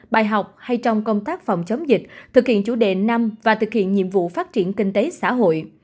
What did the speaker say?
bài học hay trong công tác phòng chống dịch thực hiện chủ đề năm và thực hiện nhiệm vụ phát triển kinh tế xã hội